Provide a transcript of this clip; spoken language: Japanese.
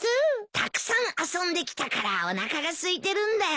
たくさん遊んできたからおなかがすいてるんだよ。